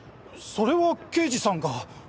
それは刑事さんが。